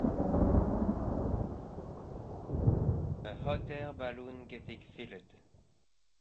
A hotair balloon getting filled.